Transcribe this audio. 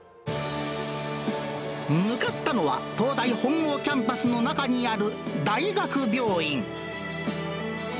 向かったのは、東大本郷キャンパスの中にある大学病院。